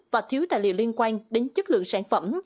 và thiếu tài liệu liên quan đến chất lượng sản phẩm